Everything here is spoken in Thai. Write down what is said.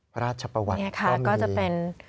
พระราชประวัติก็มีนี่ค่ะก็จะเป็น